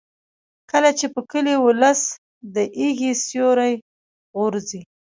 کله چې په کلي ولس د ایږې سیوری غورځي.